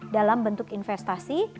dalam bentuk investasi